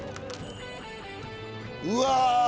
うわ！